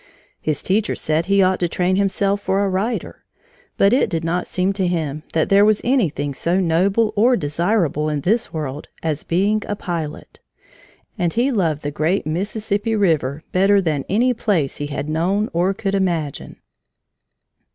His teachers said he ought to train himself for a writer, but it did not seem to him that there was anything so noble or desirable in this world as being a pilot. And he loved the great Mississippi River better than any place he had known or could imagine.